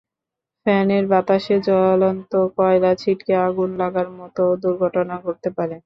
ফ্যানের বাতাসে জ্বলন্ত কয়লা ছিটকে আগুন লাগার মতো দুর্ঘটনা ঘটতে পারে।